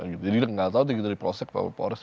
jadi tidak tahu dari polres atau polda